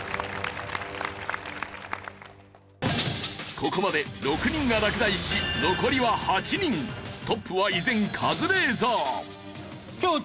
ここまで６人が落第しトップは依然カズレーザー。